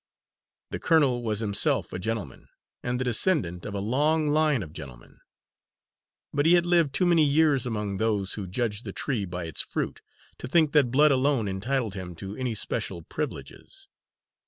The colonel was himself a gentleman, and the descendant of a long line of gentlemen. But he had lived too many years among those who judged the tree by its fruit, to think that blood alone entitled him to any special privileges.